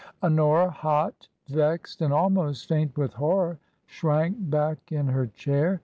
Honora, hot, vexed, and almost faint with horror, shrank back in her chair.